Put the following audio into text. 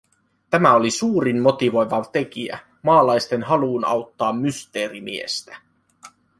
Tämä oli suurin motivoiva tekijä maalaisten haluun auttaa Mysteerimiestä.